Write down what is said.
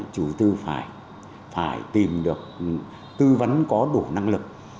chủ tư phải tìm được tư vấn có đủ năng lực